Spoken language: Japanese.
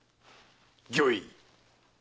御意。